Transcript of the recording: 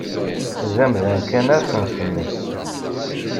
D amdan kan ad s-nsemmi.